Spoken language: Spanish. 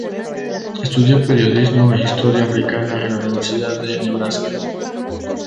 Estudió periodismo e historia africana en la Universidad de Nebraska.